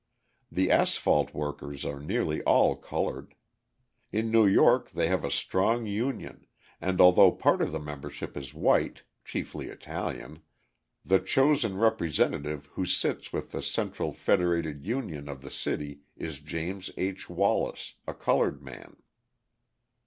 The asphalt workers are nearly all coloured. In New York they have a strong union and although part of the membership is white (chiefly Italian), the chosen representative who sits with the Central Federated Union of the city is James H. Wallace, a coloured man.